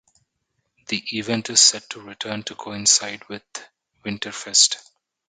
The event is set to return to coincide with Winterfest.